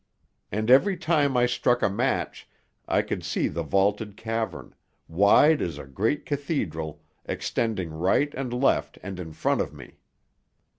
And every time I struck a match I could see the vaulted cavern, wide as a great cathedral, extending right and left and in front of me.